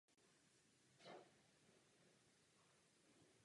Nacházela se ve Frýdku na břehu Ostravice.